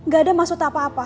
gak ada maksud apa apa